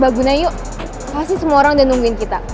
sama baguna yuk pasti semua orang udah nungguin kita